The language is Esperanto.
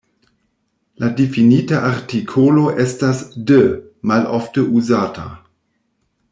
La difinita artikolo estas "de", malofte uzata.